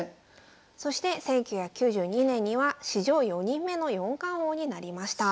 そして１９９２年には史上４人目の四冠王になりました。